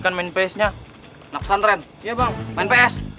kenapa gak sampai